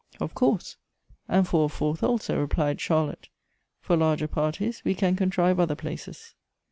" Of course ; and for a fourth also," replied Charlotte. " For larger parties we can contrive other places.''